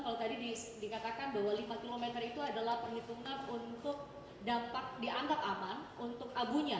kalau tadi dikatakan bahwa lima km itu adalah perhitungan untuk dampak dianggap aman untuk abunya